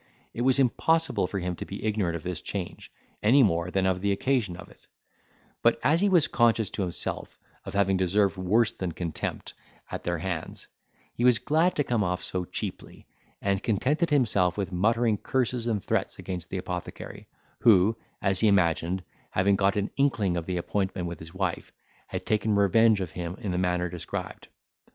It was impossible for him to be ignorant of this change, any more than of the occasion of it; but as he was conscious to himself of having deserved worse than contempt at their hands, he was glad to come off so cheaply, and contented himself with muttering curses and threats against the apothecary, who, as he imagined, having got an inkling of the appointment with his wife, had taken revenge of him in the manner described.